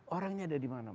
orangnya ada dimana